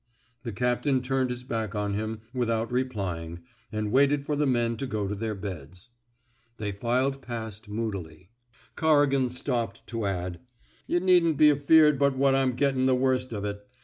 The captain turned his back on him with out replying, and waited for the men to go to their beds. They filed past moodily. Cor 274 A PERSONALLY CONDUCTED REVOLT rigan stopped to add: Yuh needn't be afeard but what I'm gettin' the worst of it.